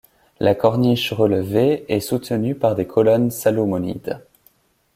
La corniche relevée est soutenue par des colonnes salomonides.